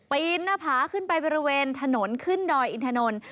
ปีนหน้าผาขึ้นไปบริเวณถนนขึ้นดอยอินทนนท์